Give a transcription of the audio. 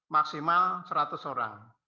maksimal seratus orang